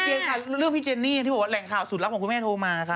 ค่ะเรื่องพี่เจนนี่ที่บอกว่าแหล่งข่าวสุดลับของคุณแม่โทรมาค่ะ